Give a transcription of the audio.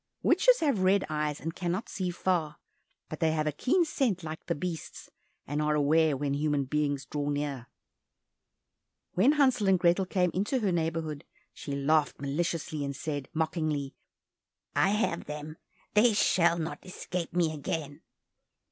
Witches have red eyes, and cannot see far, but they have a keen scent like the beasts, and are aware when human beings draw near. When Hansel and Grethel came into her neighborhood, she laughed maliciously, and said mockingly, "I have them, they shall not escape me again!"